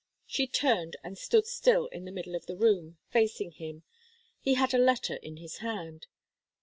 She turned and stood still in the middle of the room, facing him. He had a letter in his hand.